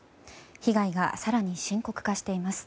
被害が更に深刻化しています。